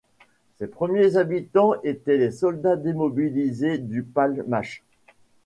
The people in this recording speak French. Ses premiers habitants étaient des soldats démobilisés du Palmach.